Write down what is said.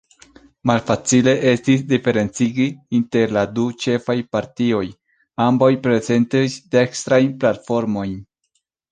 Malfacile estis diferencigi inter la du ĉefaj partioj: ambaŭ prezentis dekstrajn platformojn.